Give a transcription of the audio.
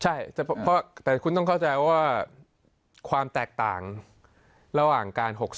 ใช่แต่คุณต้องเข้าใจว่าความแตกต่างระหว่างการ๖๓